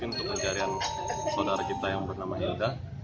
untuk pencarian saudara kita yang bernama ilda